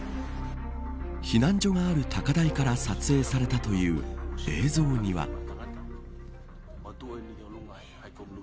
避難所がある高台から撮影されたという映像には。